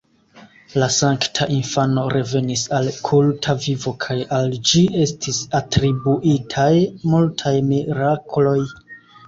La Sankta Infano revenis al kulta vivo kaj al ĝi estis atribuitaj multaj mirakloj.